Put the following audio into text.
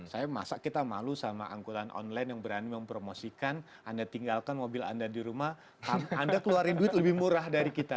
saya masa kita malu sama angkutan online yang berani mempromosikan anda tinggalkan mobil anda di rumah anda keluarin duit lebih murah dari kita